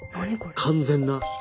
完全な。